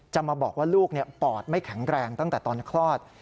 จะมาบอกว่าลูกปอดไม่แข็งแรงตั้งแต่ตอนคลอด